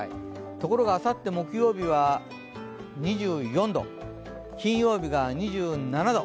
ところがあさって木曜日は２４度、金曜日が２７度。